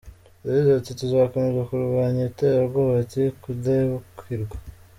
Yagize ati: "Tuzokomeza kurwanya iterabwoba ata kudebukirwa".